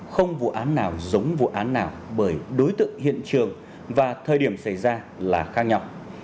không vụ án nào giống vụ án nào bởi đối tượng hiện trường và thời điểm xảy ra là khác nhau